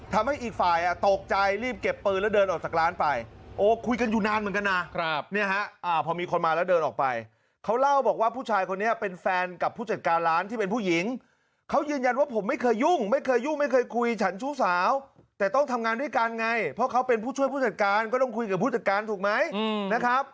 ทำให้อีกฝ่ายตกใจรีบเก็บปืนแล้วเดินออกจากร้านไปโอ้วคุยกันนอยู่นานเหมือนกันนะ